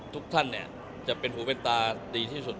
ทุกท่านจะเป็นหูเป็นตาดีที่สุด